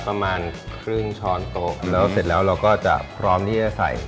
ประมาณครึ่งช้อนโต๊ะแล้วเสร็จแล้วเราก็จะพร้อมที่จะใส่